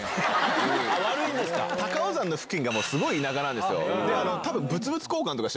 高尾山の付近がすごい田舎なんですよ。